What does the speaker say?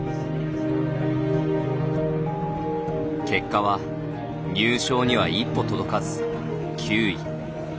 結果は入賞には一歩届かず９位。